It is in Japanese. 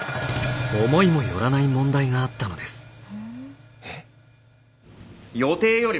思いもよらない問題があったのです。